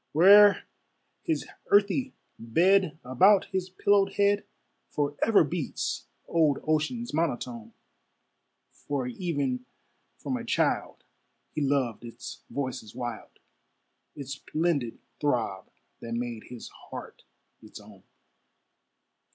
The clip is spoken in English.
Where'er his earthy bed, About his pillowed head Forever beats old Ocean's monotone: For even from a child he loved its voices wild, Its splendid throb that made his heart its own.